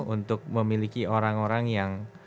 untuk memiliki orang orang yang